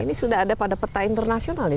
ini sudah ada pada peta internasional ya